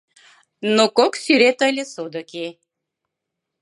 Но кок сӱрет ыле содыки.